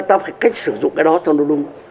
ta phải cách sử dụng cái đó cho nó đúng